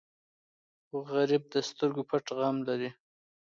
غریب د سترګو پټ غم لري